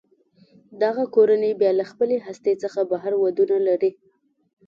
دغه کورنۍ بیا له خپلې هستې څخه بهر ودونه لري.